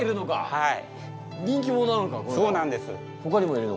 はい。